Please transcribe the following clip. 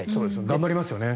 頑張りますよね。